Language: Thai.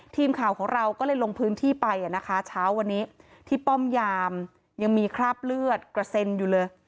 ทีมข่าวของเราก็เลยลงพื้นที่ไปนะคะเช้าวันนี้ที่ป้อมยามยังมีคราบเลือดกระเซ็นอยู่เลย